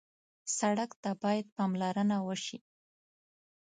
سړک ته باید پاملرنه وشي.